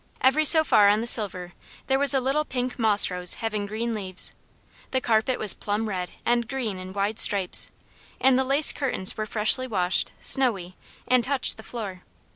Every so far on the silver there was a little pink moss rose having green leaves. The carpet was plum red and green in wide stripes, and the lace curtains were freshly washed, snowy, and touched the floor.